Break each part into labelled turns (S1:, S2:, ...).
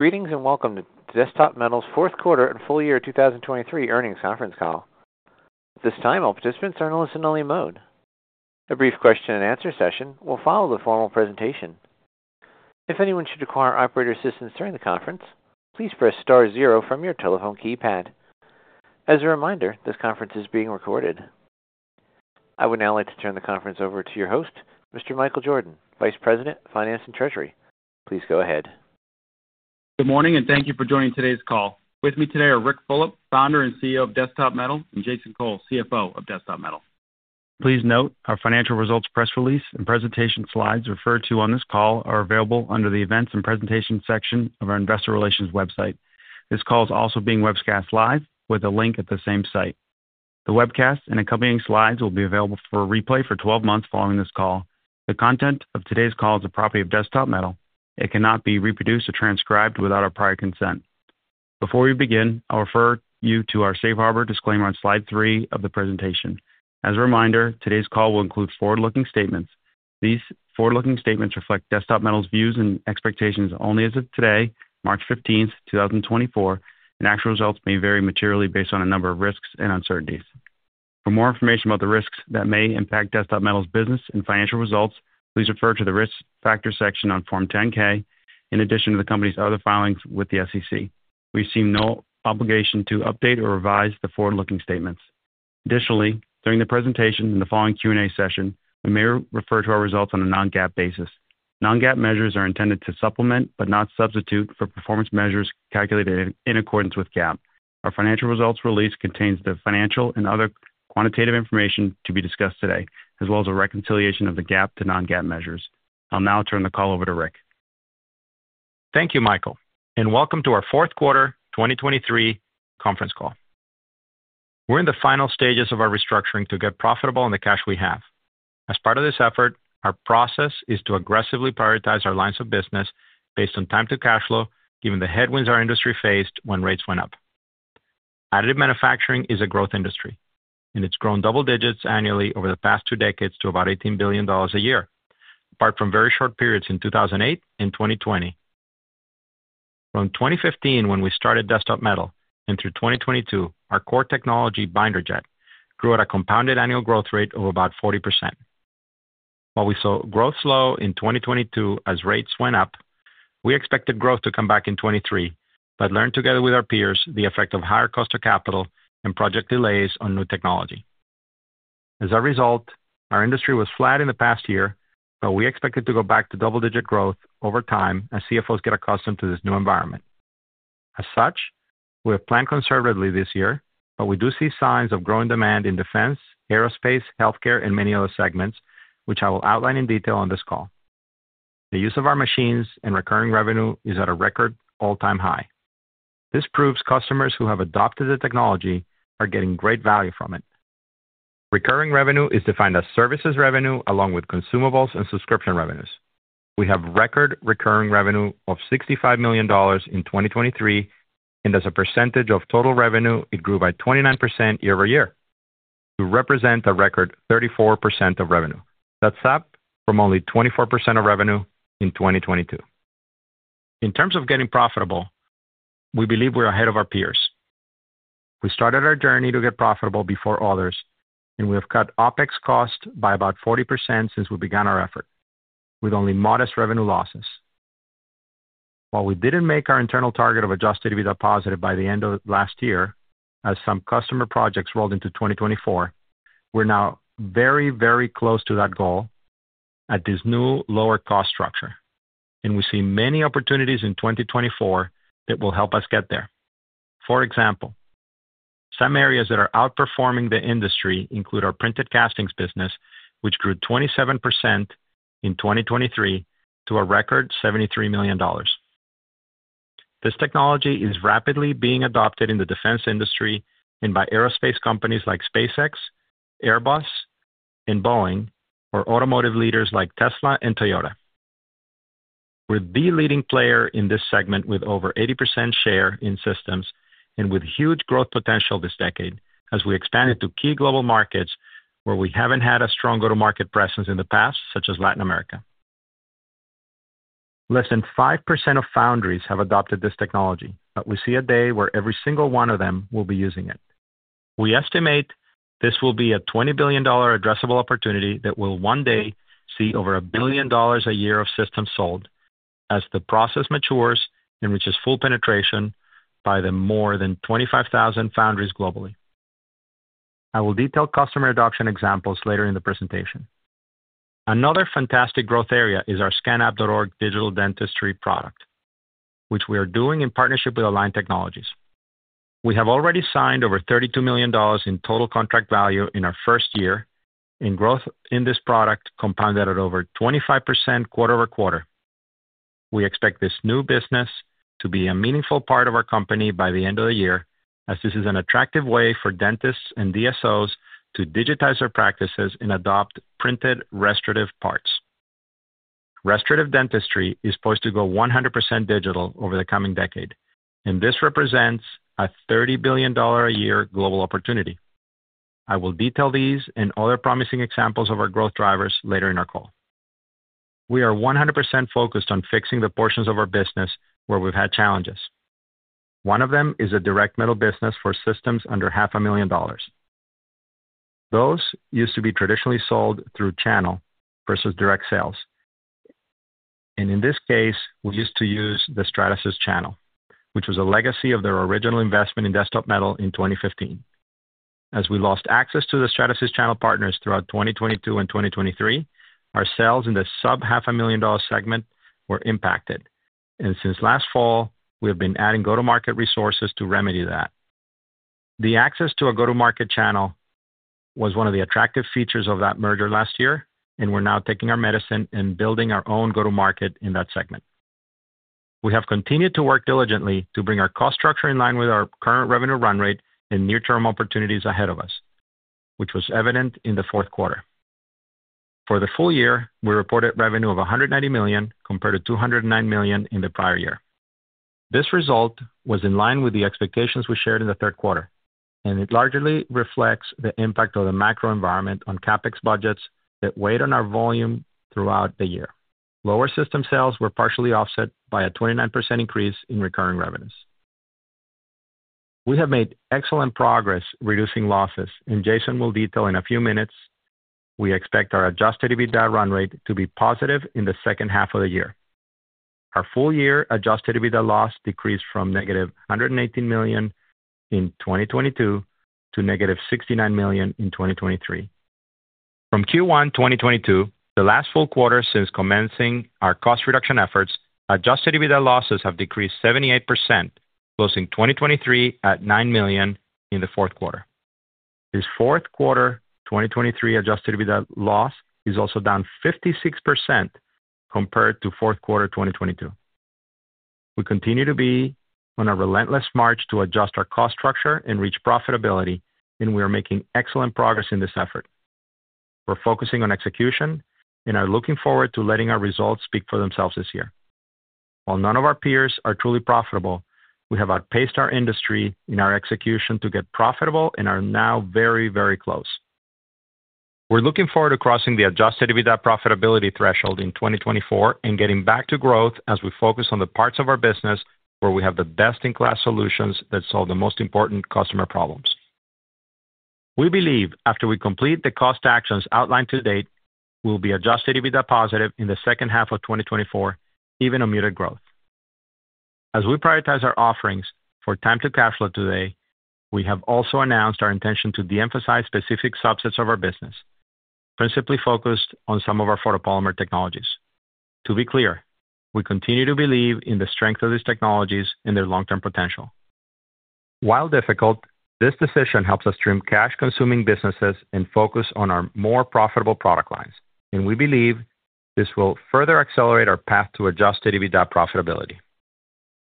S1: Greetings, and welcome to Desktop Metal's Fourth Quarter and Full Year 2023 earnings conference call. At this time, all participants are in a listen-only mode. A brief question-and-answer session will follow the formal presentation. If anyone should require operator assistance during the conference, please press star zero from your telephone keypad. As a reminder, this conference is being recorded. I would now like to turn the conference over to your host, Mr. Michael Jordan, Vice President of Finance and Treasury. Please go ahead.
S2: Good morning, and thank you for joining today's call. With me today are Ric Fulop, Founder and CEO of Desktop Metal, and Jason Cole, CFO of Desktop Metal. Please note our financial results press release and presentation slides referred to on this call are available under the Events and Presentation section of our investor relations website. This call is also being webcast live with a link at the same site. The webcast and accompanying slides will be available for replay for twelve months following this call. The content of today's call is a property of Desktop Metal. It cannot be reproduced or transcribed without our prior consent. Before we begin, I'll refer you to our safe harbor disclaimer on slide three of the presentation. As a reminder, today's call will include forward-looking statements. These forward-looking statements reflect Desktop Metal's views and expectations only as of today, March 15th, 2024, and actual results may vary materially based on a number of risks and uncertainties. For more information about the risks that may impact Desktop Metal's business and financial results, please refer to the Risk Factor section on Form 10-K, in addition to the company's other filings with the SEC. We assume no obligation to update or revise the forward-looking statements. Additionally, during the presentation in the following Q&A session, we may refer to our results on a non-GAAP basis. Non-GAAP measures are intended to supplement, but not substitute, for performance measures calculated in accordance with GAAP. Our financial results release contains the financial and other quantitative information to be discussed today, as well as a reconciliation of the GAAP to non-GAAP measures. I'll now turn the call over to Ric.
S3: Thank you, Michael, and welcome to our fourth quarter 2023 conference call. We're in the final stages of our restructuring to get profitable in the cash we have. As part of this effort, our process is to aggressively prioritize our lines of business based on time to cash flow, given the headwinds our industry faced when rates went up. Additive manufacturing is a growth industry, and it's grown double digits annually over the past two decades to about $18 billion a year, apart from very short periods in 2008 and 2020. From 2015, when we started Desktop Metal, and through 2022, our core technology, Binder Jet, grew at a compounded annual growth rate of about 40%. While we saw growth slow in 2022 as rates went up, we expected growth to come back in 2023, but learned together with our peers, the effect of higher cost of capital and project delays on new technology. As a result, our industry was flat in the past year, but we expect it to go back to double-digit growth over time as CFOs get accustomed to this new environment. As such, we have planned conservatively this year, but we do see signs of growing demand in defense, aerospace, healthcare, and many other segments, which I will outline in detail on this call. The use of our machines and recurring revenue is at a record all-time high. This proves customers who have adopted the technology are getting great value from it. Recurring revenue is defined as services revenue, along with consumables and subscription revenues. We have record recurring revenue of $65 million in 2023, and as a percentage of total revenue, it grew by 29% year over year to represent a record 34% of revenue. That's up from only 24% of revenue in 2022. In terms of getting profitable, we believe we're ahead of our peers. We started our journey to get profitable before others, and we have cut OpEx costs by about 40% since we began our effort, with only modest revenue losses. While we didn't make our internal target of adjusted EBITDA positive by the end of last year, as some customer projects rolled into 2024, we're now very, very close to that goal at this new lower cost structure, and we see many opportunities in 2024 that will help us get there. For example, some areas that are outperforming the industry include our printed castings business, which grew 27% in 2023 to a record $73 million. This technology is rapidly being adopted in the defense industry and by aerospace companies like SpaceX, Airbus, and Boeing, or automotive leaders like Tesla and Toyota. We're the leading player in this segment, with over 80% share in systems and with huge growth potential this decade as we expand into key global markets where we haven't had a strong go-to-market presence in the past, such as Latin America. Less than 5% of foundries have adopted this technology, but we see a day where every single one of them will be using it. We estimate this will be a $20 billion addressable opportunity that will one day see over $1 billion a year of systems sold as the process matures and reaches full penetration by the more than 25,000 foundries globally. I will detail customer adoption examples later in the presentation. Another fantastic growth area is our ScanUp digital dentistry product, which we are doing in partnership with Align Technology. We have already signed over $32 million in total contract value in our first year, and growth in this product compounded at over 25% quarter-over-quarter. We expect this new business to be a meaningful part of our company by the end of the year, as this is an attractive way for dentists and DSOs to digitize their practices and adopt printed restorative parts. Restorative dentistry is poised to go 100% digital over the coming decade, and this represents a $30 billion a year global opportunity. I will detail these and other promising examples of our growth drivers later in our call. We are 100% focused on fixing the portions of our business where we've had challenges. One of them is a direct metal business for systems under $500,000. Those used to be traditionally sold through channel versus direct sales, and in this case, we used to use the Stratasys channel, which was a legacy of their original investment in Desktop Metal in 2015. As we lost access to the Stratasys channel partners throughout 2022 and 2023, our sales in the sub-$500,000 segment were impacted, and since last fall, we have been adding go-to-market resources to remedy that. The access to a go-to-market channel was one of the attractive features of that merger last year, and we're now taking our medicine and building our own go-to-market in that segment. We have continued to work diligently to bring our cost structure in line with our current revenue run rate and near-term opportunities ahead of us, which was evident in the fourth quarter. For the full year, we reported revenue of $190 million, compared to $209 million in the prior year. This result was in line with the expectations we shared in the third quarter, and it largely reflects the impact of the macro environment on CapEx budgets that weighed on our volume throughout the year. Lower system sales were partially offset by a 29% increase in recurring revenues. We have made excellent progress reducing losses, and Jason will detail in a few minutes. We expect our adjusted EBITDA run rate to be positive in the second half of the year. Our full year adjusted EBITDA loss decreased from negative $118 million in 2022 to negative $69 million in 2023. From Q1 2022, the last full quarter since commencing our cost reduction efforts, adjusted EBITDA losses have decreased 78%, closing 2023 at $9 million in the fourth quarter. This fourth quarter 2023 adjusted EBITDA loss is also down 56% compared to fourth quarter 2022. We continue to be on a relentless march to adjust our cost structure and reach profitability, and we are making excellent progress in this effort. We're focusing on execution and are looking forward to letting our results speak for themselves this year. While none of our peers are truly profitable, we have outpaced our industry in our execution to get profitable and are now very, very close. We're looking forward to crossing the Adjusted EBITDA profitability threshold in 2024 and getting back to growth as we focus on the parts of our business where we have the best-in-class solutions that solve the most important customer problems. We believe after we complete the cost actions outlined to date, we'll be Adjusted EBITDA positive in the second half of 2024, even on muted growth. As we prioritize our offerings for time to cash flow today, we have also announced our intention to de-emphasize specific subsets of our business, principally focused on some of our photopolymer technologies. To be clear, we continue to believe in the strength of these technologies and their long-term potential. While difficult, this decision helps us trim cash-consuming businesses and focus on our more profitable product lines, and we believe this will further accelerate our path to Adjusted EBITDA profitability.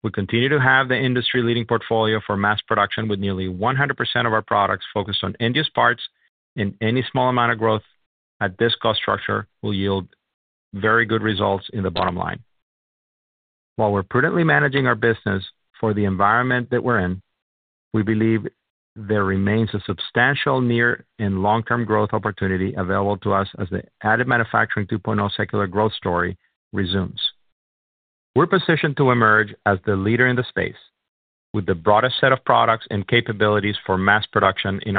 S3: We continue to have the industry-leading portfolio for mass production, with nearly 100% of our products focused on end-use parts and any small amount of growth at this cost structure will yield very good results in the bottom line. While we're prudently managing our business for the environment that we're in, we believe there remains a substantial near and long-term growth opportunity available to us as the additive manufacturing 2.0 secular growth story resumes. We're positioned to emerge as the leader in the space with the broadest set of products and capabilities for mass production in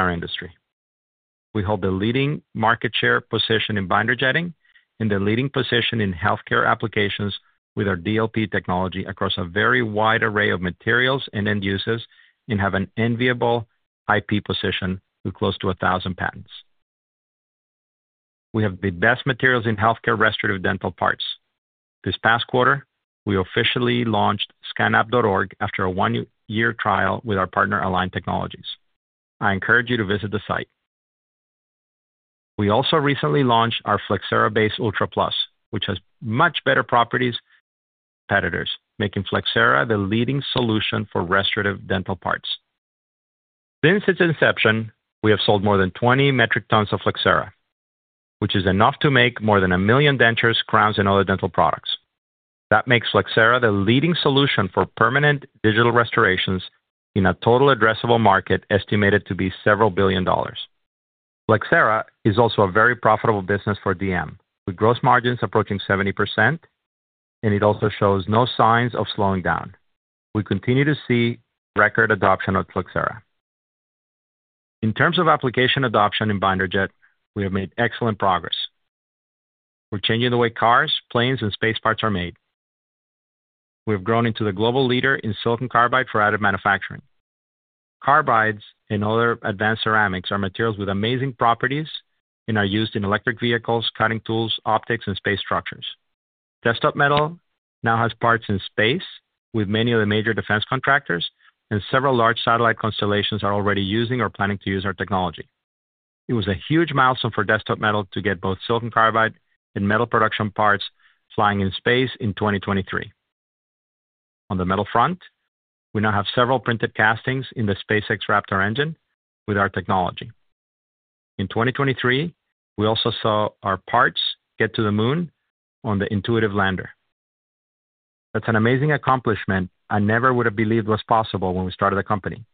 S3: our industry. We hold the leading market share position in binder jetting and the leading position in healthcare applications with our DLP technology across a very wide array of materials and end users, and have an enviable IP position with close to 1,000 patents. We have the best materials in healthcare restorative dental parts. This past quarter, we officially launched scanup.org after a one-year trial with our partner, Align Technology. I encourage you to visit the site. We also recently launched our Flexcera Base Ultra+, which has much better properties than competitors, making Flexcera the leading solution for restorative dental parts. Since its inception, we have sold more than 20 metric tons of Flexcera, which is enough to make more than 1 million dentures, crowns, and other dental products. That makes Flexcera the leading solution for permanent digital restorations in a total addressable market, estimated to be $several billion. Flexcera is also a very profitable business for DM, with gross margins approaching 70%, and it also shows no signs of slowing down. We continue to see record adoption of Flexcera. In terms of application adoption in binder jet, we have made excellent progress. We're changing the way cars, planes, and space parts are made. We've grown into the global leader in silicon carbide for additive manufacturing. Carbides and other advanced ceramics are materials with amazing properties and are used in electric vehicles, cutting tools, optics, and space structures. Desktop Metal now has parts in space with many of the major defense contractors, and several large satellite constellations are already using or planning to use our technology. It was a huge milestone for Desktop Metal to get both silicon carbide and metal production parts flying in space in 2023. On the metal front, we now have several printed castings in the SpaceX Raptor engine with our technology. In 2023, we also saw our parts get to the moon on the intuitive lander. That's an amazing accomplishment I never would have believed was possible when we started the company.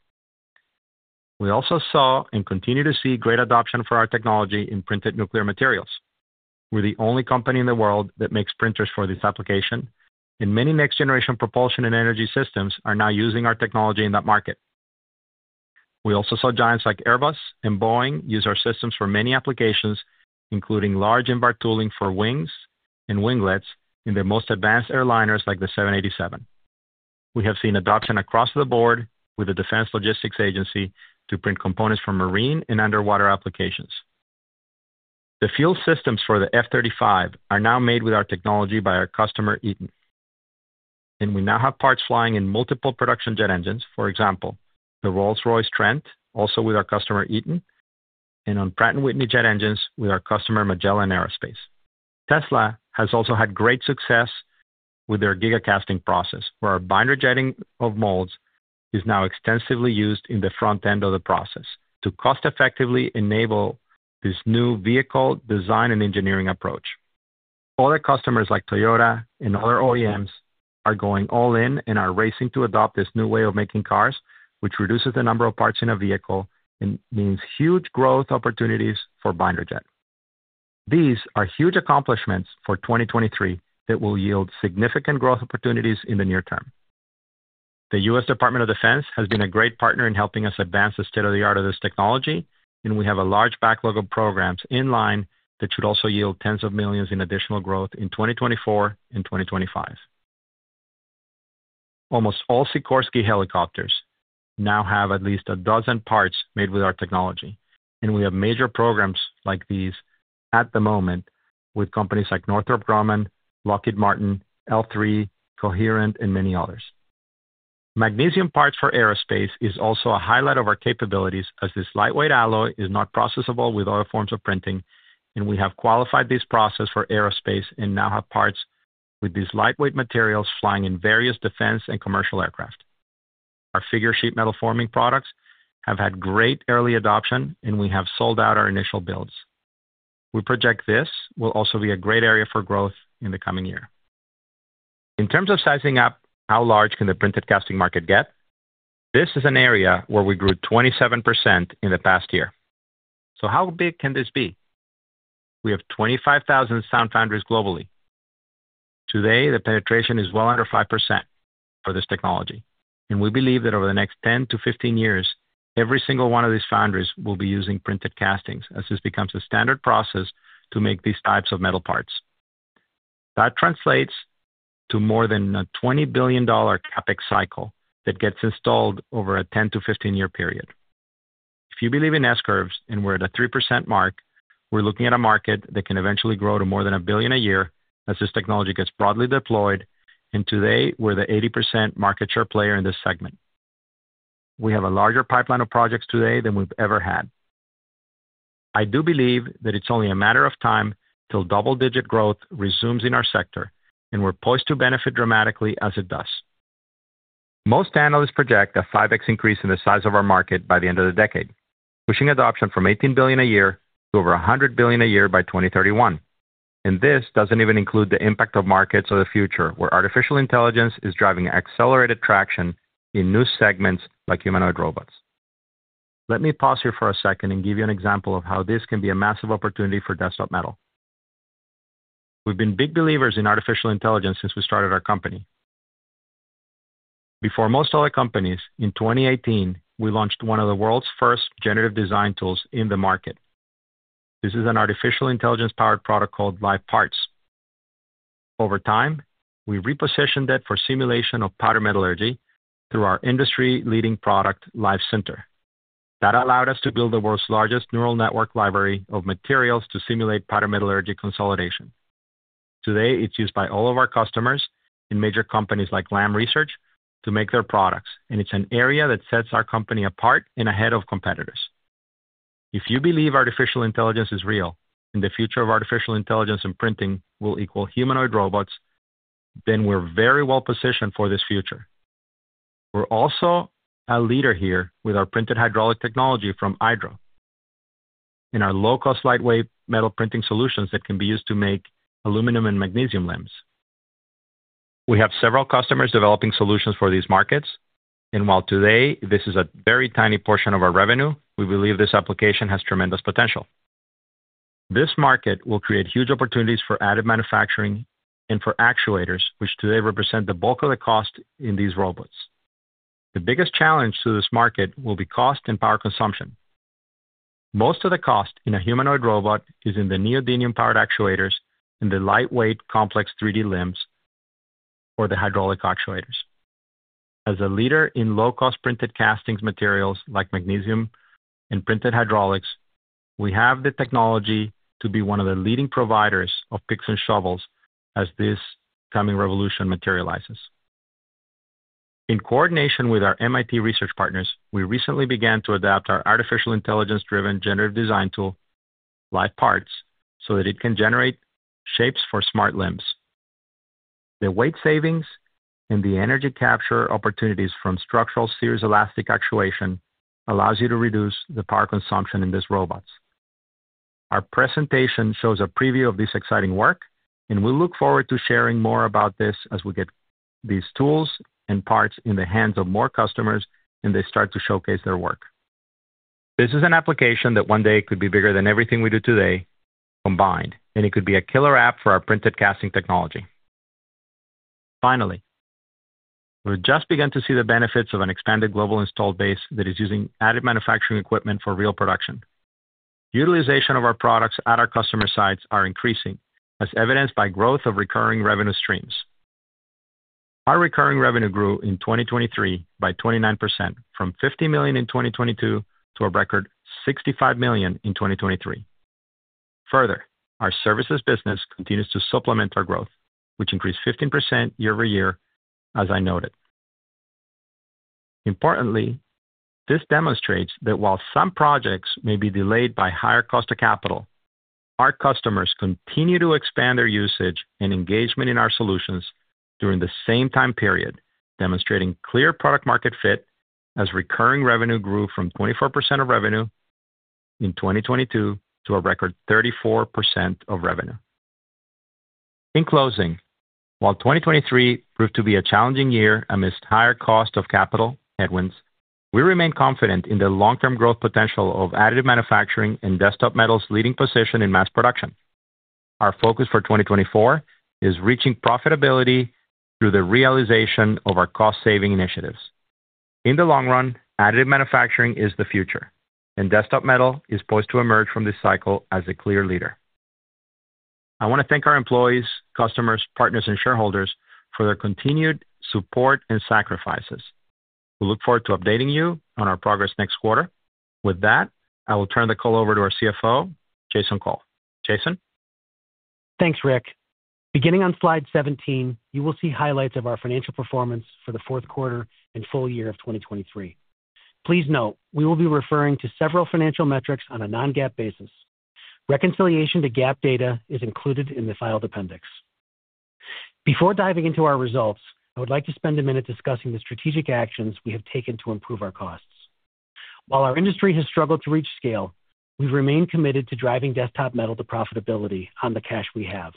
S3: We also saw, and continue to see, great adoption for our technology in printed nuclear materials. We're the only company in the world that makes printers for this application, and many next-generation propulsion and energy systems are now using our technology in that market. We also saw giants like Airbus and Boeing use our systems for many applications, including large Invar tooling for wings and winglets in their most advanced airliners, like the 787. We have seen adoption across the board with the Defense Logistics Agency to print components for marine and underwater applications. The fuel systems for the F-35 are now made with our technology by our customer, Eaton, and we now have parts flying in multiple production jet engines. For example, the Rolls-Royce Trent, also with our customer, Eaton, and on Pratt & Whitney jet engines with our customer, Magellan Aerospace. Tesla has also had great success with their gigacasting process, where our binder jetting of molds is now extensively used in the front end of the process to cost-effectively enable this new vehicle design and engineering approach. Other customers, like Toyota and other OEMs, are going all in and are racing to adopt this new way of making cars, which reduces the number of parts in a vehicle and means huge growth opportunities for binder jet. These are huge accomplishments for 2023 that will yield significant growth opportunities in the near term. The U.S. Department of Defense has been a great partner in helping us advance the state-of-the-art of this technology, and we have a large backlog of programs in line that should also yield $ tens of millions in additional growth in 2024 and 2025. Almost all Sikorsky helicopters now have at least a dozen parts made with our technology, and we have major programs like these at the moment with companies like Northrop Grumman, Lockheed Martin, L3Harris, Coherent, and many others. Magnesium parts for aerospace is also a highlight of our capabilities, as this lightweight alloy is not processable with other forms of printing, and we have qualified this process for aerospace and now have parts with these lightweight materials flying in various defense and commercial aircraft. Our Figur sheet metal forming products have had great early adoption, and we have sold out our initial builds. We project this will also be a great area for growth in the coming year. In terms of sizing up, how large can the printed casting market get? This is an area where we grew 27% in the past year. So how big can this be? We have 25,000 sand foundries globally. Today, the penetration is well under 5% for this technology, and we believe that over the next 10-15 years, every single one of these foundries will be using printed castings as this becomes a standard process to make these types of metal parts. That translates to more than a $20 billion CapEx cycle that gets installed over a 10-15-year period. If you believe in S-curves and we're at a 3% mark, we're looking at a market that can eventually grow to more than $1 billion a year as this technology gets broadly deployed, and today, we're the 80% market share player in this segment. We have a larger pipeline of projects today than we've ever had. I do believe that it's only a matter of time till double-digit growth resumes in our sector, and we're poised to benefit dramatically as it does. Most analysts project a 5x increase in the size of our market by the end of the decade, pushing adoption from $18 billion a year to over $100 billion a year by 2031. And this doesn't even include the impact of markets of the future, where artificial intelligence is driving accelerated traction in new segments like humanoid robots. Let me pause here for a second and give you an example of how this can be a massive opportunity for Desktop Metal. We've been big believers in artificial intelligence since we started our company. Before most other companies, in 2018, we launched one of the world's first generative design tools in the market. This is an artificial intelligence-powered product called Live Parts. Over time, we repositioned it for simulation of powder metallurgy through our industry-leading product, Live Sinter. That allowed us to build the world's largest neural network library of materials to simulate powder metallurgy consolidation. Today, it's used by all of our customers and major companies like Lam Research to make their products, and it's an area that sets our company apart and ahead of competitors. If you believe artificial intelligence is real, and the future of artificial intelligence and printing will equal humanoid robots, then we're very well positioned for this future. We're also a leader here with our printed hydraulic technology from Aidro and our low-cost, lightweight metal printing solutions that can be used to make aluminum and magnesium limbs. We have several customers developing solutions for these markets, and while today this is a very tiny portion of our revenue, we believe this application has tremendous potential. This market will create huge opportunities for additive manufacturing and for actuators, which today represent the bulk of the cost in these robots. The biggest challenge to this market will be cost and power consumption. Most of the cost in a humanoid robot is in the neodymium-powered actuators and the lightweight, complex 3D limbs or the hydraulic actuators. As a leader in low-cost printed castings materials like magnesium and printed hydraulics, we have the technology to be one of the leading providers of picks and shovels as this coming revolution materializes. In coordination with our MIT research partners, we recently began to adapt our artificial intelligence-driven generative design tool, Live Parts, so that it can generate shapes for smart limbs. The weight savings and the energy capture opportunities from structural series elastic actuation allows you to reduce the power consumption in these robots. Our presentation shows a preview of this exciting work, and we look forward to sharing more about this as we get these tools and parts in the hands of more customers, and they start to showcase their work. This is an application that one day could be bigger than everything we do today combined, and it could be a killer app for our printed casting technology. Finally, we've just begun to see the benefits of an expanded global installed base that is using additive manufacturing equipment for real production. Utilization of our products at our customer sites are increasing, as evidenced by growth of recurring revenue streams. Our recurring revenue grew in 2023 by 29%, from $50 million in 2022 to a record $65 million in 2023. Further, our services business continues to supplement our growth, which increased 15% year-over-year, as I noted. Importantly, this demonstrates that while some projects may be delayed by higher cost of capital, our customers continue to expand their usage and engagement in our solutions during the same time period, demonstrating clear product market fit as recurring revenue grew from 24% of revenue in 2022 to a record 34% of revenue. In closing, while 2023 proved to be a challenging year amidst higher cost of capital headwinds, we remain confident in the long-term growth potential of additive manufacturing and Desktop Metal's leading position in mass production. Our focus for 2024 is reaching profitability through the realization of our cost-saving initiatives. In the long run, additive manufacturing is the future, and Desktop Metal is poised to emerge from this cycle as a clear leader. I want to thank our employees, customers, partners, and shareholders for their continued support and sacrifices. We look forward to updating you on our progress next quarter. With that, I will turn the call over to our CFO, Jason Cole. Jason?
S4: Thanks, Ric. Beginning on slide 17, you will see highlights of our financial performance for the fourth quarter and full year of 2023. Please note, we will be referring to several financial metrics on a non-GAAP basis. Reconciliation to GAAP data is included in the filed appendix. Before diving into our results, I would like to spend a minute discussing the strategic actions we have taken to improve our costs. While our industry has struggled to reach scale, we've remained committed to driving Desktop Metal to profitability on the cash we have.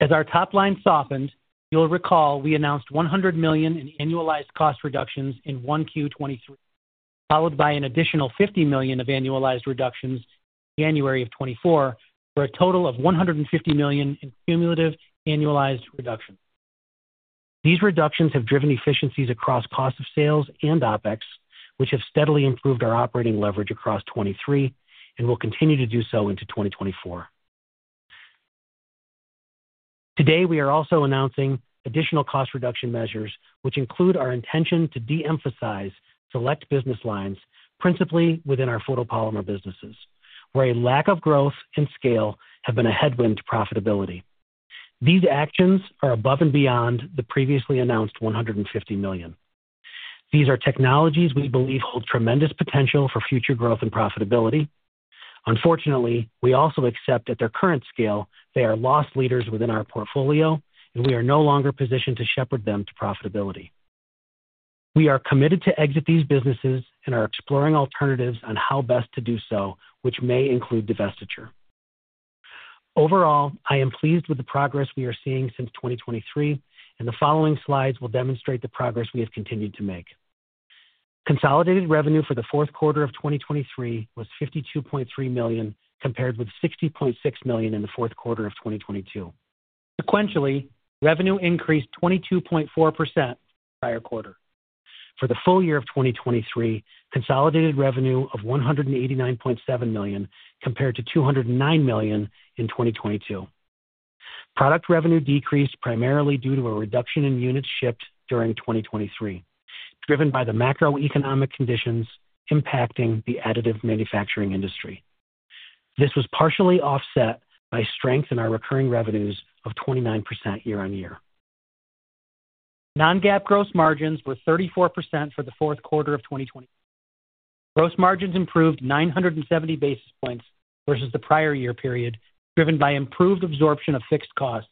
S4: As our top line softened, you'll recall we announced $100 million in annualized cost reductions in 1Q 2023, followed by an additional $50 million of annualized reductions in January of 2024, for a total of $150 million in cumulative annualized reductions. These reductions have driven efficiencies across cost of sales and OpEx, which have steadily improved our operating leverage across 2023 and will continue to do so into 2024. Today, we are also announcing additional cost reduction measures, which include our intention to de-emphasize select business lines, principally within our photopolymer businesses, where a lack of growth and scale have been a headwind to profitability. These actions are above and beyond the previously announced $150 million. These are technologies we believe hold tremendous potential for future growth and profitability. Unfortunately, we also accept at their current scale, they are loss leaders within our portfolio, and we are no longer positioned to shepherd them to profitability. We are committed to exit these businesses and are exploring alternatives on how best to do so, which may include divestiture. Overall, I am pleased with the progress we are seeing since 2023, and the following slides will demonstrate the progress we have continued to make. Consolidated revenue for the fourth quarter of 2023 was $52.3 million, compared with $60.6 million in the fourth quarter of 2022. Sequentially, revenue increased 22.4% prior quarter. For the full year of 2023, consolidated revenue of $189.7 million, compared to $209 million in 2022. Product revenue decreased primarily due to a reduction in units shipped during 2023, driven by the macroeconomic conditions impacting the additive manufacturing industry. This was partially offset by strength in our recurring revenues of 29% year-on-year. Non-GAAP gross margins were 34% for the fourth quarter of 2023. Gross margins improved 970 basis points versus the prior year period, driven by improved absorption of fixed costs.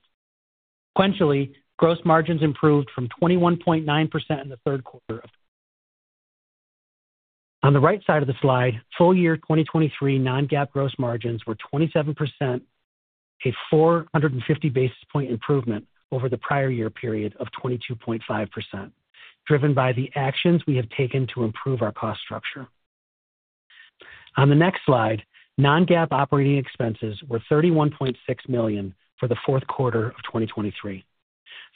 S4: Sequentially, gross margins improved from 21.9% in the third quarter. On the right side of the slide, full year 2023 non-GAAP gross margins were 27%, a 450 basis point improvement over the prior year period of 22.5%, driven by the actions we have taken to improve our cost structure. On the next slide, non-GAAP operating expenses were $31.6 million for the fourth quarter of 2023.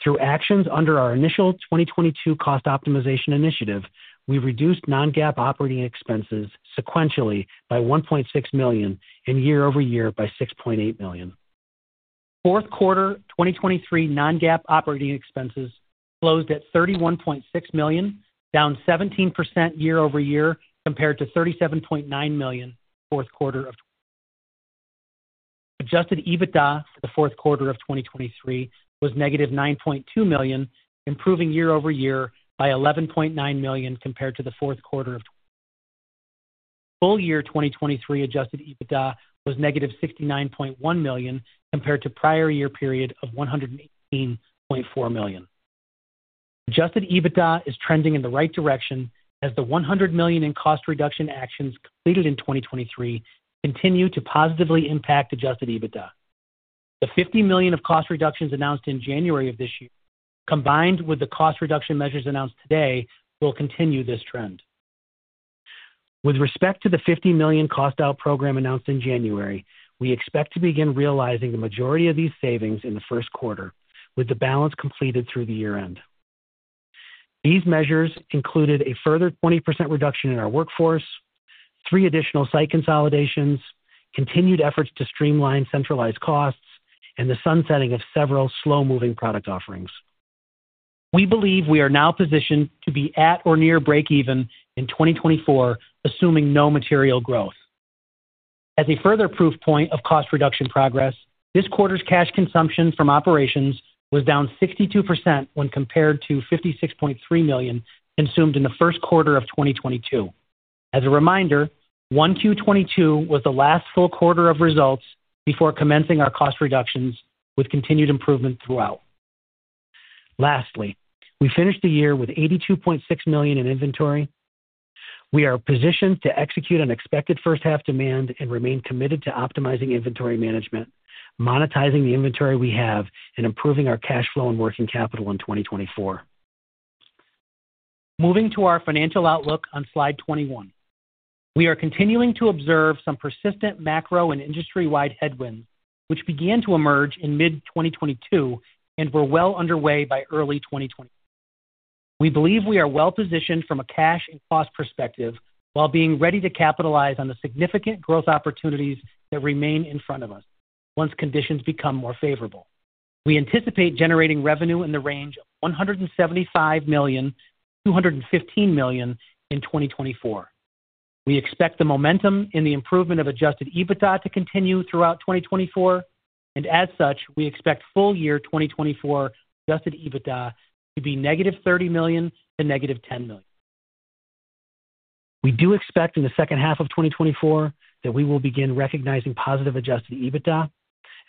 S4: Through actions under our initial 2022 cost optimization initiative, we reduced non-GAAP operating expenses sequentially by $1.6 million and year over year by $6.8 million. Fourth quarter 2023 non-GAAP operating expenses closed at $31.6 million, down 17% year-over-year, compared to $37.9 million fourth quarter of... Adjusted EBITDA for the fourth quarter of 2023 was -$9.2 million, improving year-over-year by $11.9 million compared to the fourth quarter of... Full year 2023 adjusted EBITDA was -$69.1 million, compared to prior year period of $118.4 million. Adjusted EBITDA is trending in the right direction, as the $100 million in cost reduction actions completed in 2023 continue to positively impact adjusted EBITDA. The $50 million of cost reductions announced in January of this year, combined with the cost reduction measures announced today, will continue this trend. With respect to the $50 million cost out program announced in January, we expect to begin realizing the majority of these savings in the first quarter, with the balance completed through the year end. These measures included a further 20% reduction in our workforce, 3 additional site consolidations, continued efforts to streamline centralized costs, and the sunsetting of several slow-moving product offerings. We believe we are now positioned to be at or near breakeven in 2024, assuming no material growth. As a further proof point of cost reduction progress, this quarter's cash consumption from operations was down 62% when compared to $56.3 million consumed in the first quarter of 2022. As a reminder, 1Q 2022 was the last full quarter of results before commencing our cost reductions, with continued improvement throughout. Lastly, we finished the year with $82.6 million in inventory. We are positioned to execute on expected first half demand and remain committed to optimizing inventory management, monetizing the inventory we have, and improving our cash flow and working capital in 2024. Moving to our financial outlook on slide 21. We are continuing to observe some persistent macro and industry-wide headwinds, which began to emerge in mid-2022 and were well underway by early 2020. We believe we are well positioned from a cash and cost perspective, while being ready to capitalize on the significant growth opportunities that remain in front of us once conditions become more favorable. We anticipate generating revenue in the range of $175 million-$215 million in 2024. We expect the momentum in the improvement of adjusted EBITDA to continue throughout 2024, and as such, we expect full year 2024 adjusted EBITDA to be -$30 million-$10 million. We do expect in the second half of 2024 that we will begin recognizing positive adjusted EBITDA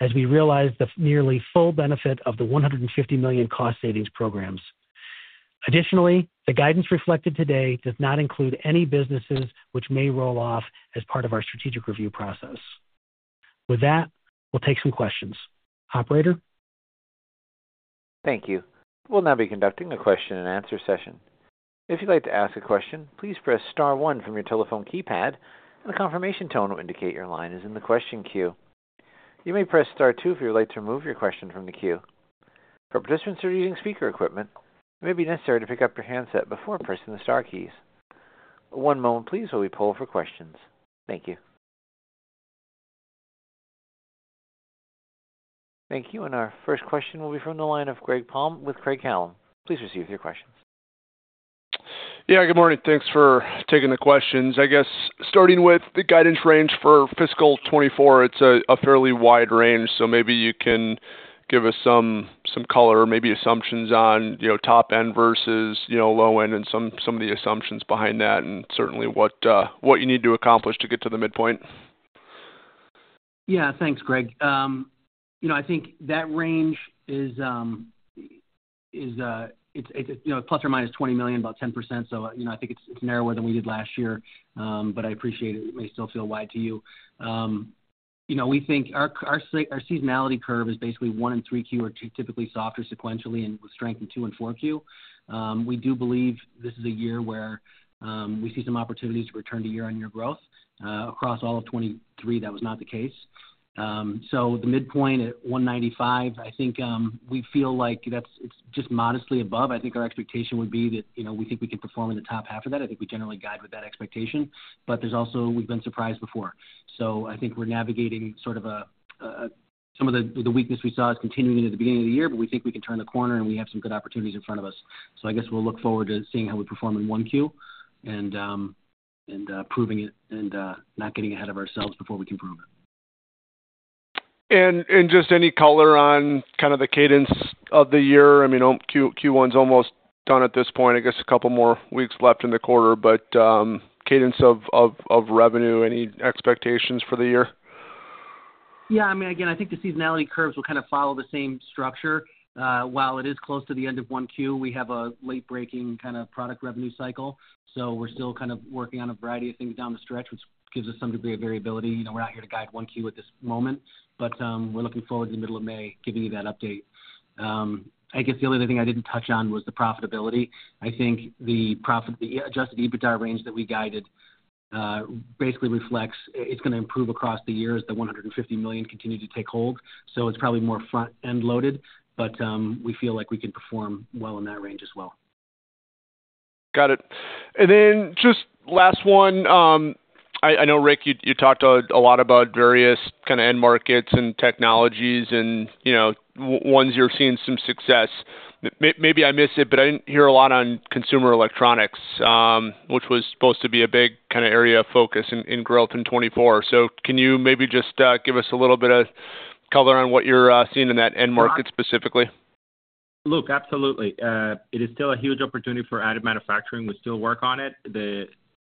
S4: as we realize the nearly full benefit of the $150 million cost savings programs. Additionally, the guidance reflected today does not include any businesses which may roll off as part of our strategic review process. With that, we'll take some questions. Operator?
S1: Thank you. We'll now be conducting a question-and-answer session. If you'd like to ask a question, please press star one from your telephone keypad, and a confirmation tone will indicate your line is in the question queue. You may press star two if you would like to remove your question from the queue. For participants who are using speaker equipment, it may be necessary to pick up your handset before pressing the star keys. One moment please, while we poll for questions. Thank you. Thank you. And our first question will be from the line of Greg Palm with Craig-Hallum. Please proceed with your question.
S5: Yeah, good morning. Thanks for taking the questions. I guess starting with the guidance range for fiscal 2024, it's a fairly wide range, so maybe you can give us some color or maybe assumptions on, you know, top end versus, you know, low end and some of the assumptions behind that and certainly what you need to accomplish to get to the midpoint.
S4: Yeah, thanks, Greg. You know, I think that range is, is, it's, it's, you know, ±$20 million, about 10%. So, you know, I think it's, it's narrower than we did last year, but I appreciate it may still feel wide to you. You know, we think our seasonality curve is basically Q1 and Q3 typically softer sequentially and with strength in Q2 and Q4. We do believe this is a year where we see some opportunities to return to year-on-year growth. Across all of 2023, that was not the case. So the midpoint at $195 million, I think, we feel like that's, it's just modestly above. I think our expectation would be that, you know, we think we can perform in the top half of that. I think we generally guide with that expectation, but there's also... We've been surprised before. So I think we're navigating sort of some of the weakness we saw is continuing at the beginning of the year, but we think we can turn the corner, and we have some good opportunities in front of us. So I guess we'll look forward to seeing how we perform in 1Q and proving it and not getting ahead of ourselves before we can prove it.
S5: Just any color on kind of the cadence of the year? I mean, Q1's almost done at this point, I guess a couple more weeks left in the quarter, but, cadence of revenue, any expectations for the year?
S4: Yeah, I mean, again, I think the seasonality curves will kind of follow the same structure. While it is close to the end of one Q, we have a late-breaking kind of product revenue cycle, so we're still kind of working on a variety of things down the stretch, which gives us some degree of variability. You know, we're not here to guide one Q at this moment, but we're looking forward to the middle of May, giving you that update. I guess the only other thing I didn't touch on was the profitability. I think the profit, the adjusted EBITDA range that we guided basically reflects it's gonna improve across the year as the $150 million continue to take hold. So it's probably more front-end loaded, but we feel like we can perform well in that range as well.
S5: Got it. And then just last one, I know, Ric, you talked a lot about various kind of end markets and technologies and, you know, ones you're seeing some success. Maybe I missed it, but I didn't hear a lot on consumer electronics, which was supposed to be a big kind of area of focus in growth in 2024. So can you maybe just give us a little bit of color on what you're seeing in that end market specifically?
S3: Look, absolutely. It is still a huge opportunity for additive manufacturing. We still work on it.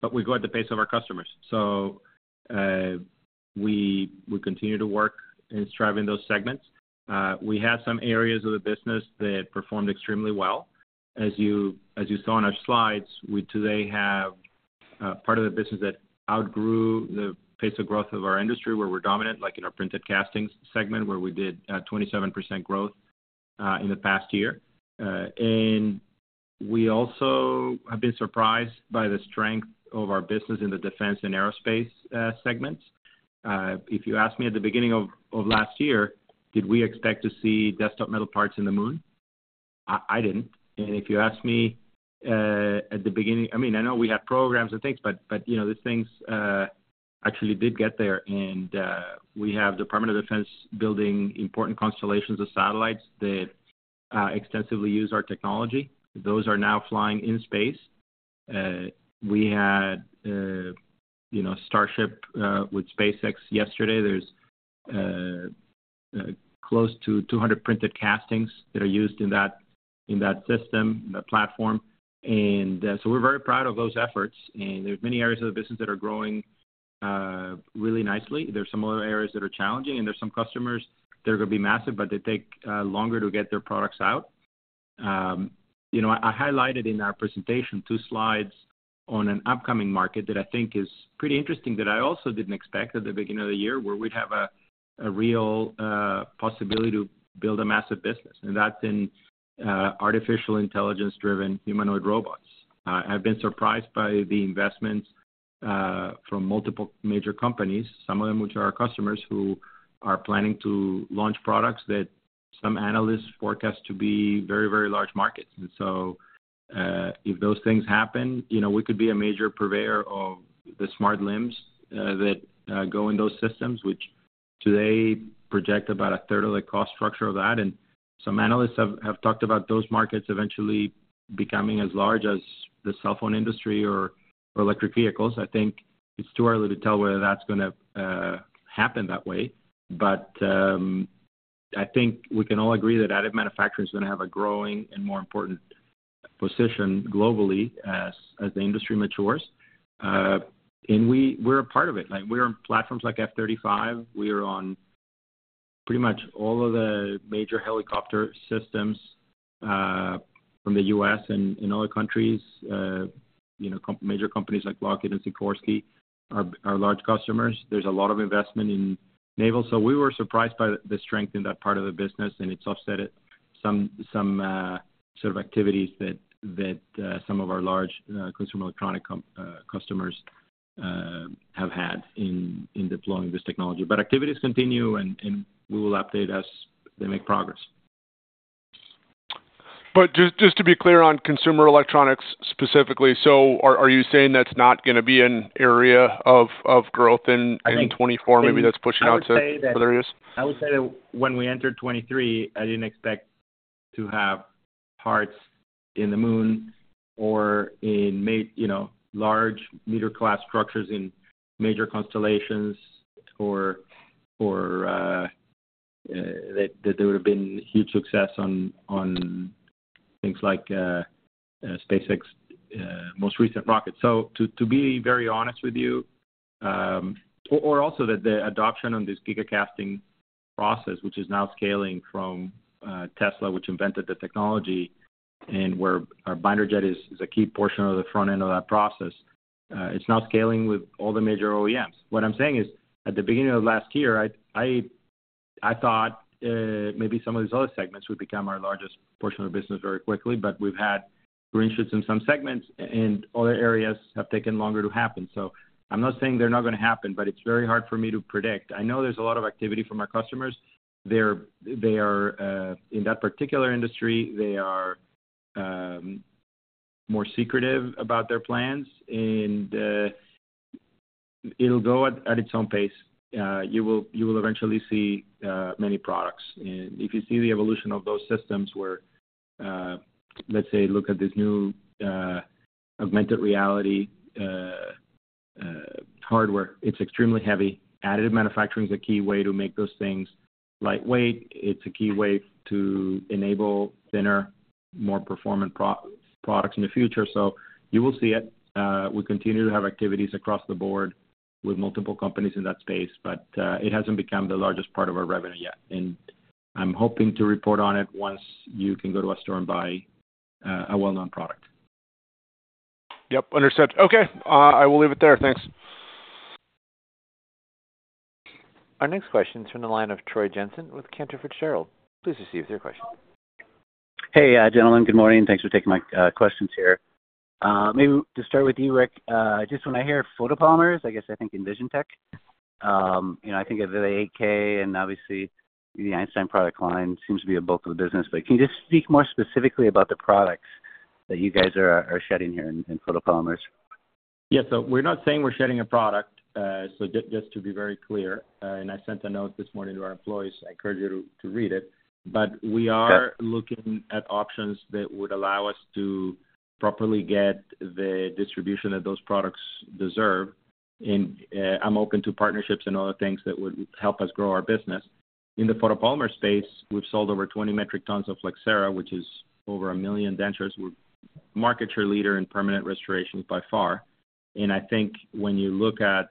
S3: But we go at the pace of our customers. We continue to work in striving those segments. We have some areas of the business that performed extremely well. As you saw in our slides, we today have part of the business that outgrew the pace of growth of our industry, where we're dominant, like in our printed castings segment, where we did 27% growth in the past year. And we also have been surprised by the strength of our business in the defense and aerospace segments. If you asked me at the beginning of last year, did we expect to see Desktop Metal parts in the moon? I didn't. And if you ask me, at the beginning—I mean, I know we had programs and things, but, you know, these things actually did get there, and we have Department of Defense building important constellations of satellites that extensively use our technology. Those are now flying in space. We had, you know, Starship with SpaceX yesterday. There's close to 200 printed castings that are used in that, in that system, the platform. And so we're very proud of those efforts, and there's many areas of the business that are growing really nicely. There's some other areas that are challenging, and there's some customers that are gonna be massive, but they take longer to get their products out. You know, I highlighted in our presentation two slides on an upcoming market that I think is pretty interesting, that I also didn't expect at the beginning of the year, where we'd have a real possibility to build a massive business, and that's in artificial intelligence-driven humanoid robots. I've been surprised by the investments from multiple major companies, some of them, which are our customers, who are planning to launch products that some analysts forecast to be very, very large markets. And so, if those things happen, you know, we could be a major purveyor of the smart limbs that go in those systems, which today project about a third of the cost structure of that. And some analysts have talked about those markets eventually becoming as large as the cell phone industry or electric vehicles. I think it's too early to tell whether that's gonna happen that way, but I think we can all agree that additive manufacturing is gonna have a growing and more important position globally as the industry matures. And we're a part of it. Like, we're on platforms like F-35. We are on pretty much all of the major helicopter systems from the U.S. and in other countries. You know, major companies like Lockheed and Sikorsky are large customers. There's a lot of investment in naval. So we were surprised by the strength in that part of the business, and it's offset at some sort of activities that some of our large consumer electronics customers have had in deploying this technology. But activities continue, and we will update as they make progress.
S5: But just to be clear on consumer electronics specifically, so are you saying that's not gonna be an area of growth in 2024? Maybe that's pushing out to other areas.
S3: I would say that when we entered 2023, I didn't expect to have parts on the moon or on Mars, you know, large meter-class structures in major constellations or that there would have been huge success on things like SpaceX most recent rocket. So to be very honest with you... Or also that the adoption on this gigacasting process, which is now scaling from Tesla, which invented the technology, and where our binder jet is a key portion of the front end of that process. It's now scaling with all the major OEMs. What I'm saying is, at the beginning of last year, I thought, maybe some of these other segments would become our largest portion of the business very quickly, but we've had green shifts in some segments, and other areas have taken longer to happen. So I'm not saying they're not gonna happen, but it's very hard for me to predict. I know there's a lot of activity from our customers. They're in that particular industry, they are more secretive about their plans, and it'll go at its own pace. You will eventually see many products. And if you see the evolution of those systems where, let's say look at this new augmented reality hardware, it's extremely heavy. Additive manufacturing is a key way to make those things lightweight. It's a key way to enable thinner, more performant pro-products in the future. So you will see it. We continue to have activities across the board with multiple companies in that space, but, it hasn't become the largest part of our revenue yet, and I'm hoping to report on it once you can go to a store and buy, a well-known product.
S5: Yep, understood. Okay, I will leave it there. Thanks.
S1: Our next question is from the line of Troy Jensen with Cantor Fitzgerald. Please proceed with your question.
S6: Hey, gentlemen, good morning. Thanks for taking my questions here. Maybe to start with you, Ric, just when I hear photopolymers, I guess I think EnvisionTEC. You know, I think of the 8K and obviously the Einstein product line seems to be a bulk of the business, but can you just speak more specifically about the products that you guys are shedding here in photopolymers?
S3: Yes. So we're not saying we're shedding a product, so just, just to be very clear, and I sent a note this morning to our employees, I encourage you to, to read it. But we are-
S6: Okay...
S3: looking at options that would allow us to properly get the distribution that those products deserve. I'm open to partnerships and other things that would help us grow our business. In the photopolymer space, we've sold over 20 metric tons of Flexcera, which is over 1 million dentures we've... market share leader in permanent restorations by far. I think when you look at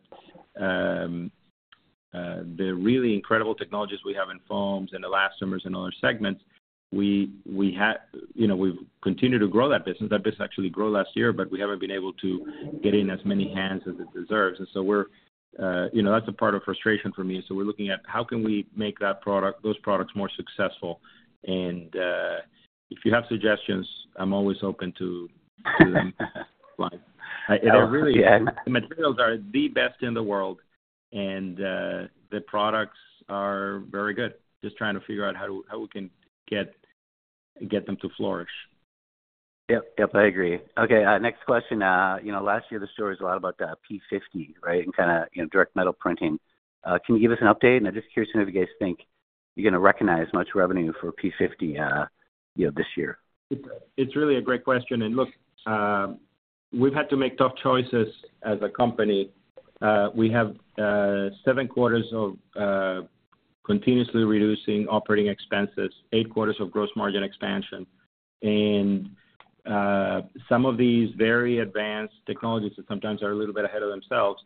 S3: the really incredible technologies we have in foams and elastomers and other segments, we have, you know, we've continued to grow that business. That business actually grew last year, but we haven't been able to get in as many hands as it deserves. So we're, you know, that's a part of frustration for me. So we're looking at how can we make that product, those products, more successful? If you have suggestions, I'm always open to them. But I really-
S6: Yeah.
S3: The materials are the best in the world, and the products are very good. Just trying to figure out how we can get them to flourish.
S6: Yep. Yep, I agree. Okay, next question. You know, last year, the story was a lot about the P-50, right? And kinda, you know, direct metal printing. Can you give us an update? And I'm just curious to know if you guys think you're going to recognize much revenue for P-50, you know, this year.
S3: It's really a great question. And look, we've had to make tough choices as a company. We have seven quarters of continuously reducing operating expenses, eight quarters of gross margin expansion, and some of these very advanced technologies that sometimes are a little bit ahead of themselves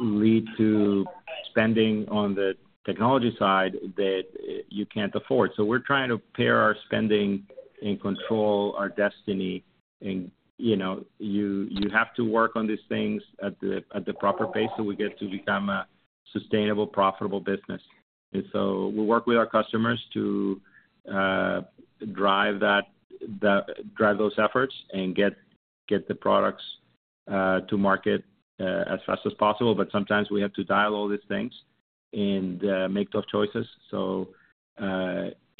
S3: lead to spending on the technology side that you can't afford. So we're trying to pair our spending and control our destiny and, you know, you have to work on these things at the proper pace, so we get to become a sustainable, profitable business. And so we work with our customers to drive that, drive those efforts and get the products to market as fast as possible. But sometimes we have to dial all these things and make tough choices. So,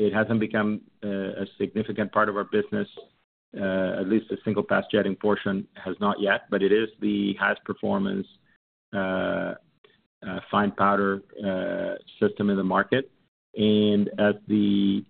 S3: it hasn't become a significant part of our business. At least the single-pass jetting portion has not yet, but it is the highest performance fine powder system in the market. And as the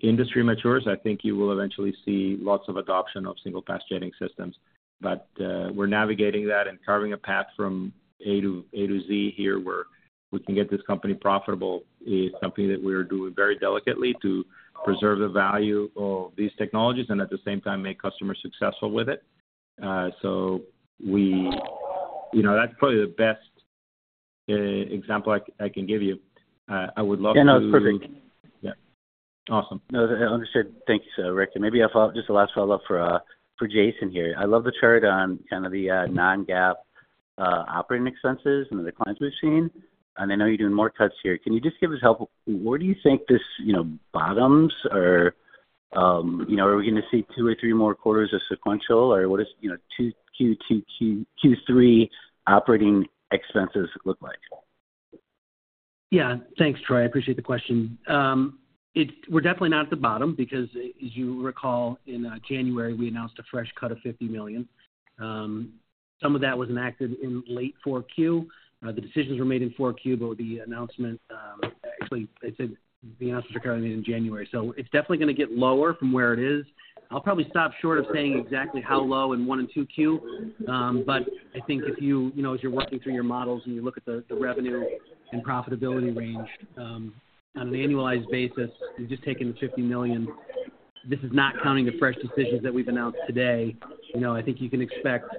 S3: industry matures, I think you will eventually see lots of adoption of single-pass jetting systems. But, we're navigating that and carving a path from A to Z here, where we can get this company profitable, is something that we are doing very delicately to preserve the value of these technologies and at the same time, make customers successful with it. So we... You know, that's probably the best example I can give you. I would love to-
S6: Yeah, no, it's perfect.
S3: Yeah.
S6: Awesome. No, understood. Thank you, so Ric, and maybe a follow-up, just a last follow-up for Jason here. I love the chart on kind of the non-GAAP operating expenses and the declines we've seen, and I know you're doing more cuts here. Can you just give us help? Where do you think this, you know, bottoms or, you know, are we going to see two or three more quarters of sequential or what is, you know, Q2, Q3 operating expenses look like?
S4: Yeah. Thanks, Troy. I appreciate the question. It's-- we're definitely not at the bottom because as you recall, in January, we announced a fresh cut of $50 million. Some of that was enacted in late 4Q. The decisions were made in 4Q, but the announcement, actually, I said the announcements were made in January. So it's definitely going to get lower from where it is. I'll probably stop short of saying exactly how low in 1Q and 2Q. But I think if you, you know, as you're working through your models and you look at the revenue and profitability range, on an annualized basis, you've just taken the $50 million. This is not counting the fresh decisions that we've announced today. You know, I think you can expect,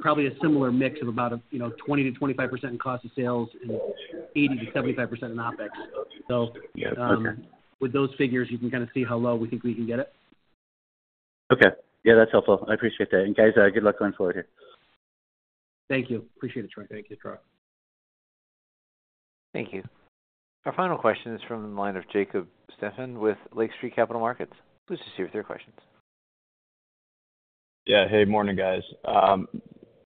S4: probably a similar mix of about, you know, 20%-25% in cost of sales and 80%-75% in OpEx. So-
S6: Yeah, okay.
S4: With those figures, you can kind of see how low we think we can get it.
S6: Okay. Yeah, that's helpful. I appreciate that. And, guys, good luck going forward here.
S4: Thank you. Appreciate it, Troy.
S3: Thank you, Troy.
S1: Thank you. Our final question is from the line of Jacob Stephan with Lake Street Capital Markets. Please proceed with your questions.
S7: Yeah. Hey, morning, guys.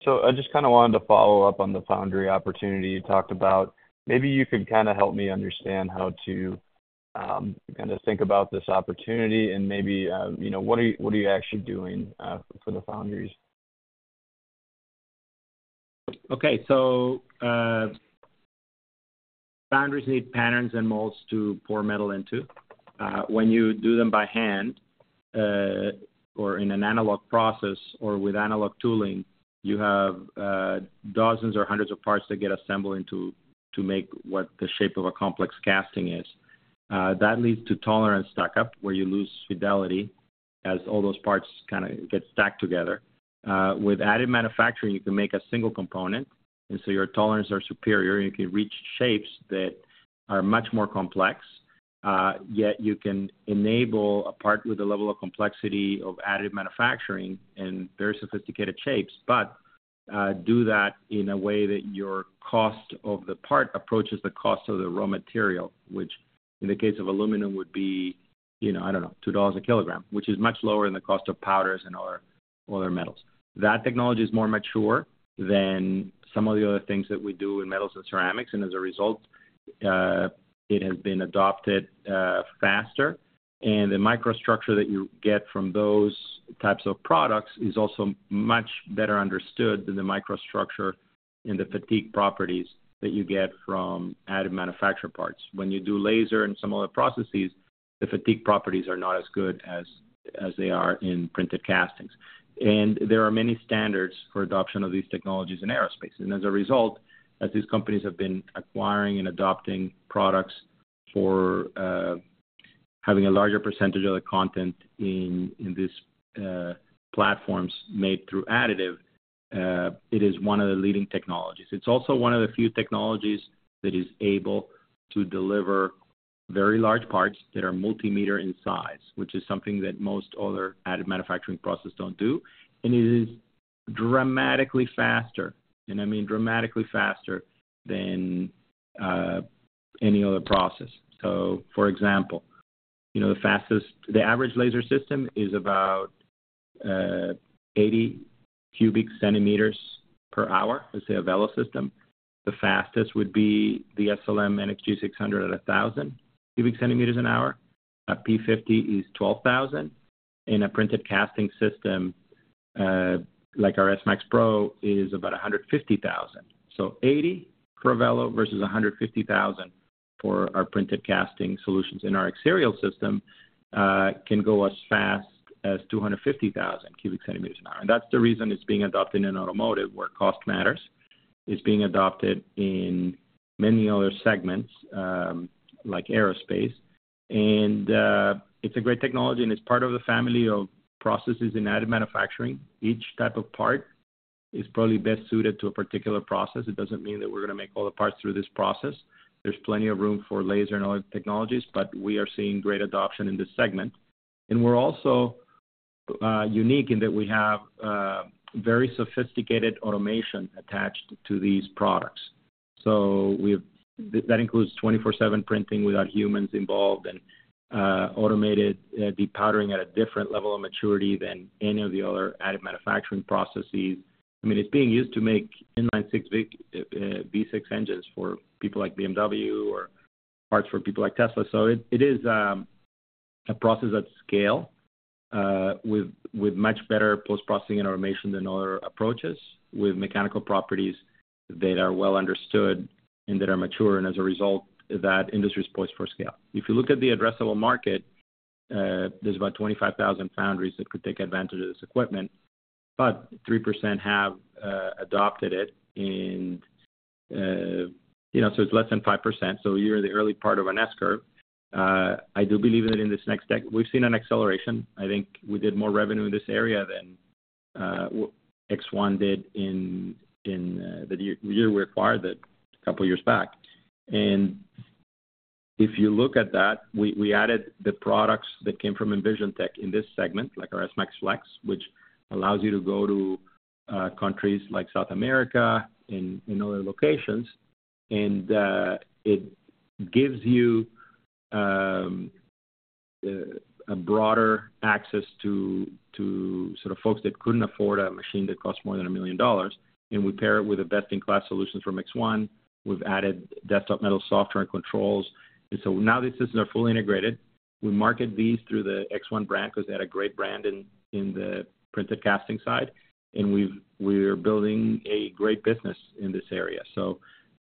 S7: So I just kind of wanted to follow up on the foundry opportunity you talked about. Maybe you could kind of help me understand how to kind of think about this opportunity and maybe, you know, what are you, what are you actually doing for the foundries?
S3: Okay, so, foundries need patterns and molds to pour metal into. When you do them by hand, or in an analog process, or with analog tooling, you have dozens or hundreds of parts that get assembled into to make what the shape of a complex casting is. That leads to tolerance stack up, where you lose fidelity as all those parts kind of get stacked together. With additive manufacturing, you can make a single component, and so your tolerances are superior, and you can reach shapes that are much more complex. Yet you can enable a part with a level of complexity of additive manufacturing and very sophisticated shapes, but do that in a way that your cost of the part approaches the cost of the raw material, which, in the case of aluminum, would be, you know, I don't know, $2 a kg, which is much lower than the cost of powders and other, other metals. That technology is more mature than some of the other things that we do in metals and ceramics, and as a result, it has been adopted faster. And the microstructure that you get from those types of products is also much better understood than the microstructure and the fatigue properties that you get from additive manufactured parts. When you do laser and some other processes, the fatigue properties are not as good as they are in printed castings. There are many standards for adoption of these technologies in aerospace. As a result, as these companies have been acquiring and adopting products for having a larger percentage of the content in this platforms made through additive manufacturing, it is one of the leading technologies. It's also one of the few technologies that is able to deliver very large parts that are multi-meter in size, which is something that most other additive manufacturing processes don't do. It is dramatically faster, and I mean dramatically faster, than any other process. So for example, you know, the average laser system is about 80 cubic cm per hour, let's say, a Velo system. The fastest would be the SLM NXG 600 at 1,000 cubic cm an hour. A P50 is $12,000, and a printed casting system, like our S-Max Pro, is about $150,000. So $80 for a Velo versus $150,000 for our printed casting solutions. And our Exerial system can go as fast as 250,000 cubic cm an hour. And that's the reason it's being adopted in automotive, where cost matters. It's being adopted in many other segments, like aerospace. And it's a great technology, and it's part of the family of processes in additive manufacturing. Each type of part is probably best suited to a particular process. It doesn't mean that we're going to make all the parts through this process. There's plenty of room for laser and other technologies, but we are seeing great adoption in this segment. And we're also unique in that we have very sophisticated automation attached to these products. So that includes 24/7 printing without humans involved and automated de-powdering at a different level of maturity than any of the other additive manufacturing processes. I mean, it's being used to make inline six V V6 engines for people like BMW or parts for people like Tesla. So it is a process at scale with much better post-processing and automation than other approaches, with mechanical properties that are well understood and that are mature. And as a result, that industry is poised for scale. If you look at the addressable market, there's about 25,000 foundries that could take advantage of this equipment, but 3% have adopted it. And, you know, so it's less than 5%, so you're in the early part of an S-curve. I do believe that in this next decade we've seen an acceleration. I think we did more revenue in this area than ExOne did in the year we acquired it a couple of years back. And if you look at that, we added the products that came from EnvisionTEC in this segment, like our S-Max Flex, which allows you to go to countries like South America and in other locations. And it gives you a broader access to sort of folks that couldn't afford a machine that costs more than $1 million. And we pair it with best-in-class solutions from ExOne. We've added Desktop Metal software and controls. And so now these systems are fully integrated. We market these through the ExOne brand because they had a great brand in the printed casting side, and we're building a great business in this area. So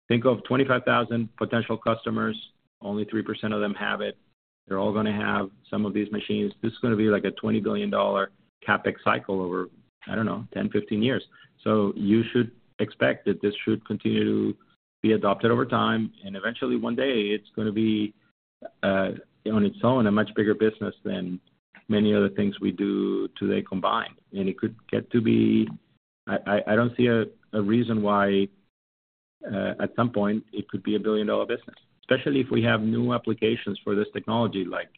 S3: think of 25,000 potential customers. Only 3% of them have it. They're all going to have some of these machines. This is going to be like a $20 billion CapEx cycle over, I don't know, 10-15 years. So you should expect that this should continue to be adopted over time, and eventually, one day, it's going to be on its own, a much bigger business than many other things we do today combined. And it could get to be... I don't see a reason why at some point it could be a billion-dollar business, especially if we have new applications for this technology like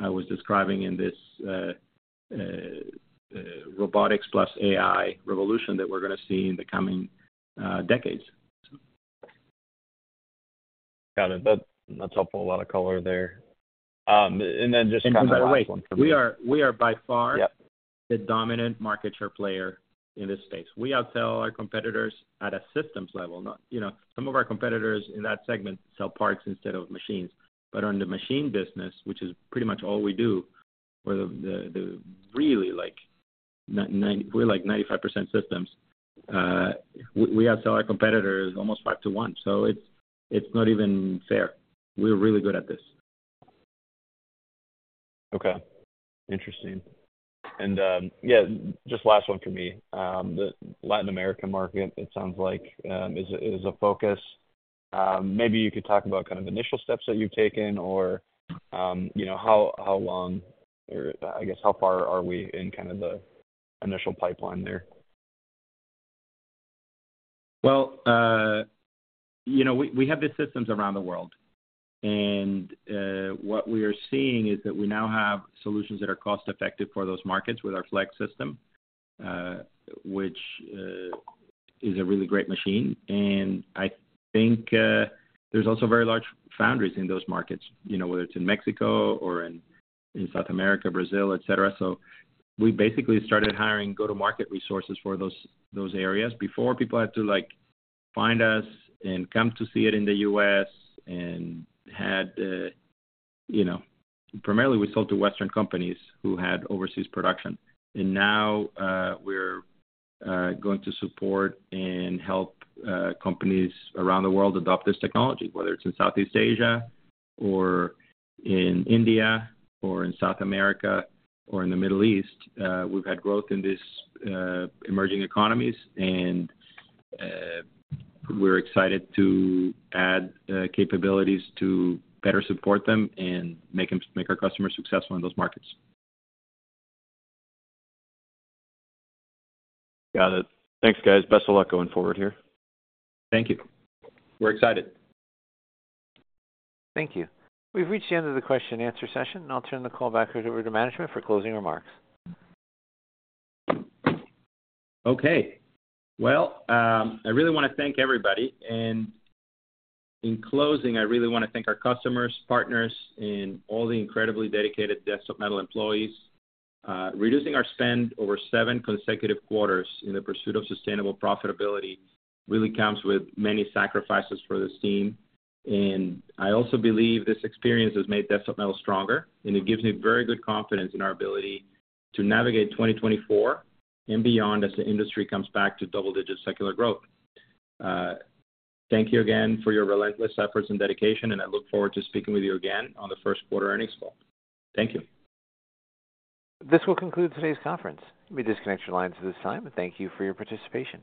S3: I was describing in this robotics plus AI revolution that we're going to see in the coming decades.
S7: Got it. That's, that's helpful. A lot of color there. And then just kind of the last one-
S3: We are by far-
S7: Yep.
S3: the dominant market share player in this space. We outsell our competitors at a systems level, not... You know, some of our competitors in that segment sell parts instead of machines. But on the machine business, which is pretty much all we do, where the really, like, nine- we're like 95% systems, we outsell our competitors almost 5-1, so it's not even fair. We're really good at this.
S7: Okay. Interesting. And, yeah, just last one for me. The Latin American market, it sounds like, is a focus. Maybe you could talk about kind of initial steps that you've taken or, you know, how, how long or I guess, how far are we in kind of the initial pipeline there?
S3: Well, you know, we have the systems around the world, and what we are seeing is that we now have solutions that are cost-effective for those markets with our Flex system, which is a really great machine. And I think there's also very large foundries in those markets, you know, whether it's in Mexico or in South America, Brazil, et cetera. So we basically started hiring go-to-market resources for those areas. Before, people had to, like, find us and come to see it in the US and had, you know... Primarily, we sold to Western companies who had overseas production, and now we're going to support and help companies around the world adopt this technology, whether it's in Southeast Asia or in India or in South America or in the Middle East. We've had growth in this emerging economies, and we're excited to add capabilities to better support them and make our customers successful in those markets.
S7: Got it. Thanks, guys. Best of luck going forward here.
S3: Thank you. We're excited.
S1: Thank you. We've reached the end of the question and answer session, and I'll turn the call back over to management for closing remarks.
S3: Okay. Well, I really want to thank everybody. In closing, I really want to thank our customers, partners, and all the incredibly dedicated Desktop Metal employees. Reducing our spend over seven consecutive quarters in the pursuit of sustainable profitability really comes with many sacrifices for this team. I also believe this experience has made Desktop Metal stronger, and it gives me very good confidence in our ability to navigate 2024 and beyond as the industry comes back to double-digit secular growth. Thank you again for your relentless efforts and dedication, and I look forward to speaking with you again on the first quarter earnings call. Thank you.
S1: This will conclude today's conference. You may disconnect your lines at this time, and thank you for your participation.